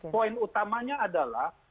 poin utamanya adalah